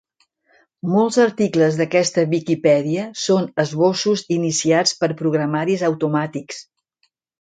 Molts articles d'aquesta Viquipèdia són esbossos iniciats per programaris automàtics.